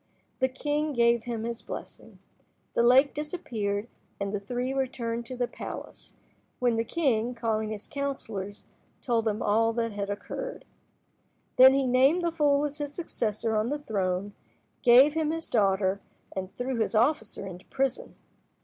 The king gave them his blessing. The lake disappeared, and the three returned to the palace, when the king, calling his counsellors, told them all that had occurred. Then he named the fool as his successor on the throne, gave him his daughter, and threw his officer into prison.